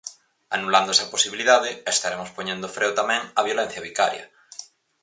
Anulando esa posibilidade, estaremos poñendo freo tamén á violencia vicaria.